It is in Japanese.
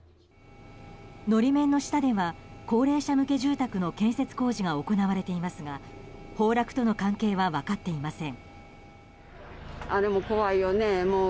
法面の下では高齢者向け住宅の建設工事が行われていますが崩落との関係は分かっていません。